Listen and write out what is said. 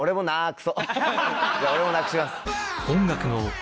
俺もなくします。